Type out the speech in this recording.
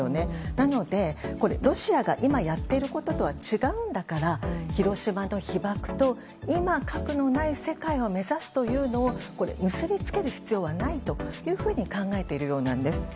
なのでロシアが今やっていることとは違うんだから広島の被爆と今、核のない世界を目指すというのを結びつける必要はないと考えているようなんです。